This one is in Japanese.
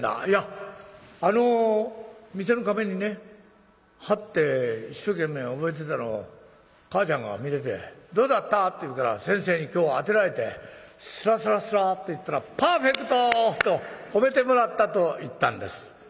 「いやあの店の壁にね貼って一生懸命覚えてたのを母ちゃんが見てて『どうだった？』って言うから先生に今日当てられてすらすらすらっと言ったら『パーフェクト』と褒めてもらったと言ったんです」。